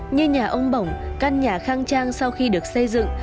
như nhà ông bổng căn nhà khang trang sau khi được xây dựng